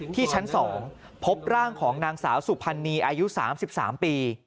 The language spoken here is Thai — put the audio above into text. ที่ชั้น๒พบร่างของนางสาวสุภัณฑ์นีอายุ๓๓ปี